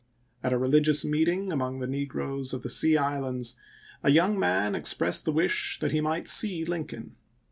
At a religious meeting among the negroes of the Sea Islands a young man expressed the wish that he might see Lincoln.